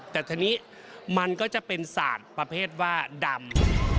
แต่ทีนี้มันก็จะเป็นศาสตร์ประเภทว่าดำ